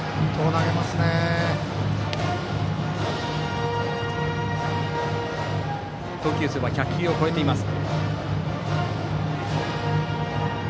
投球数は１００球を超えています。